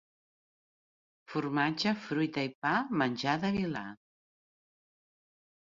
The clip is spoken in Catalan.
Formatge, fruita i pa, menjar de vilà.